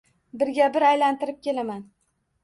Birga bir aylantirib kelaman.